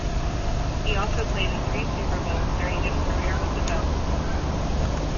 He also played in three Super Bowls during his career with the Bills.